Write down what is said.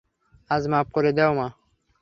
আজ মাফ করে দেও মা।